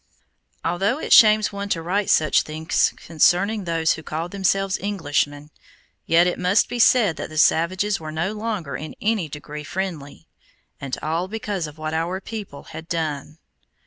Although it shames one to write such things concerning those who called themselves Englishmen, yet it must be said that the savages were no longer in any degree friendly, and all because of what our own people had done.